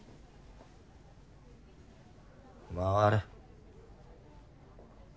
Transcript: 回れ。